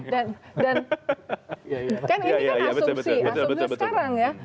dan kan ini kan asumsi asumsi sekarang ya